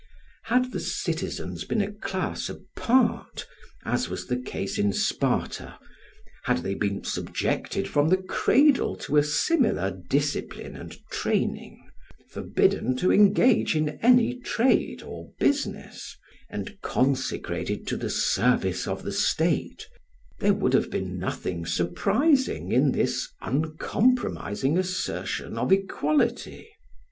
Had the citizens been a class apart, as was the case in Sparta, had they been subjected from the cradle to a similar discipline and training, forbidden to engage in any trade or business, and consecrated to the service of the state, there would have been nothing surprising in this uncompromising assertion of equality.